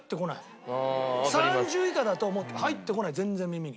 ３０以下だともう入ってこない全然耳に。